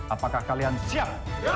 apakah kalian siap